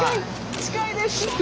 近いです！